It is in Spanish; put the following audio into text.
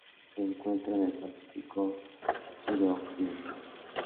Se encuentra en el Pacífico suroccidental.